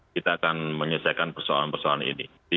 kita akan menyelesaikan persoalan persoalan ini